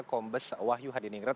kombes wahyu hadiningrat